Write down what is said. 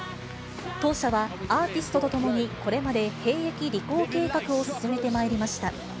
当社は、アーティストと共にこれまで兵役履行計画を進めてまいりました。